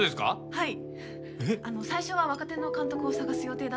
はい。